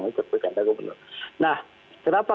ikut pilih kada gubernur nah kenapa